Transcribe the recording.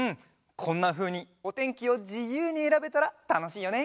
こんなふうにおてんきをじゆうにえらべたらたのしいよね！